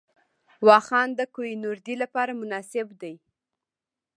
واخان د کوه نوردۍ لپاره مناسب دی